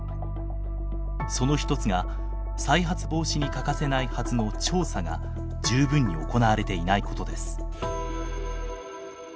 その一つが再発防止に欠かせないはずの調査が十分に行われていないことです。